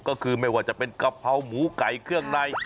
ก็คือไม่ว่าจะเป็นกะเพราหมูไก่เครื่องใน